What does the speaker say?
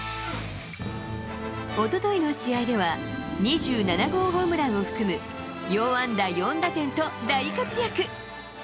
おとといの試合では、２７号ホームランを含む、４安打４打点と大活躍。